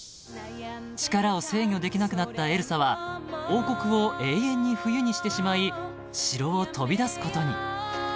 ［力を制御できなくなったエルサは王国を永遠に冬にしてしまい城を飛び出すことに］